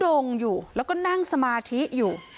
เป็นพระรูปนี้เหมือนเคี้ยวเหมือนกำลังทำปากขมิบท่องกระถาอะไรสักอย่าง